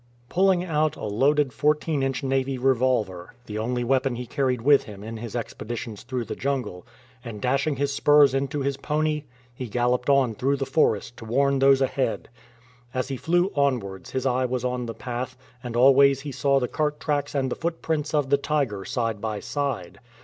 Pulling out a loaded fourteen inch Navy revolver, the only weapon he carried with him in his expeditions through the jungle, and dashing his spurs into his pony, he galloped on through the forest to warn those ahead. As he flew onwards his eye was on the path, and always he saw the cart tracks and the footprints of the tiger side by side.